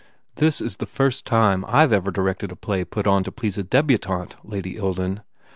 "This is the first time I ve ever directed a play put on to please a debutante, Lady Ilden.